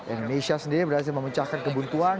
indonesia sendiri berhasil memecahkan kebuntuan